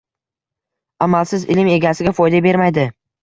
Amalsiz ilm egasiga foyda bermaydi.